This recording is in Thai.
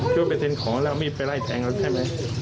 เจ้าไปเต็มของแล้วไม่ได้ไปไล่แทงแล้วใช่ไหม